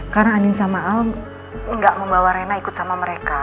karena andin sama al gak membawa rina ikut sama mereka